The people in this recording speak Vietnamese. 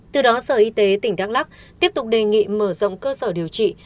từ đó sở y tế tỉnh đắk lắc tiếp tục đề nghị mở rộng cơ sở điều trị